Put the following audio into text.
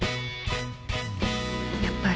やっぱり。